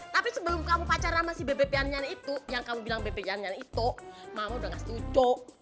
tapi sebelum kamu pacaran sama si bebe pianian itu yang kamu bilang bebe pianian itu mama udah gak setuju